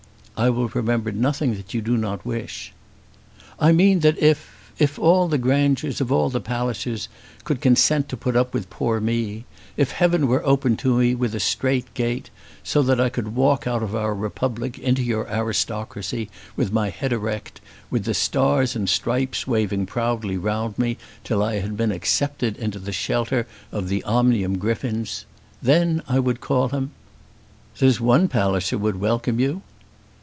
"I will remember nothing that you do not wish." "I mean that if, if all the grandeurs of all the Pallisers could consent to put up with poor me, if heaven were opened to me with a straight gate, so that I could walk out of our republic into your aristocracy with my head erect, with the stars and stripes waving proudly round me till I had been accepted into the shelter of the Omnium griffins, then I would call him " "There's one Palliser would welcome you."